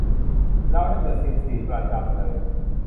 เราเล่นเดอะซิมส์สี่ประจำเลย